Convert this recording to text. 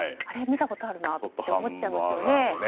見たことあるなって思っちゃいますよね。